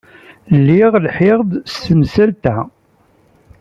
Lliɣ lhiɣ-d s temsalt-a.